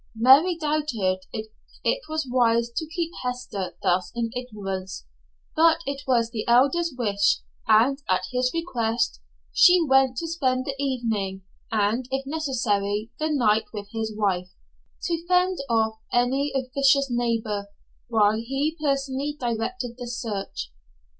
Mary doubted if it was wise to keep Hester thus in ignorance, but it was the Elder's wish, and at his request she went to spend the evening and if necessary the night with his wife, to fend off any officious neighbor, while he personally directed the search.